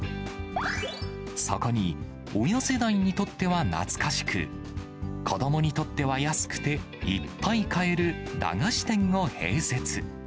そこに親世代にとっては懐かしく、子どもにとっては安くていっぱい買える駄菓子店を併設。